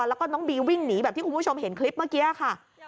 แล้วก็น้องบีวิ่งหนีแบบที่คุณผู้ชมเห็นคลิปเมื่อกี้ค่ะ